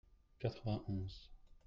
Quatre-vingt-onze.